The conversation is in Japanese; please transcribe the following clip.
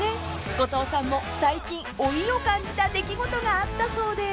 ［後藤さんも最近老いを感じた出来事があったそうで］